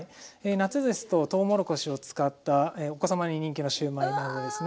夏ですととうもろこしを使ったお子様に人気のシューマイなどですね。